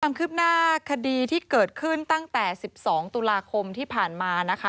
ความคืบหน้าคดีที่เกิดขึ้นตั้งแต่๑๒ตุลาคมที่ผ่านมานะคะ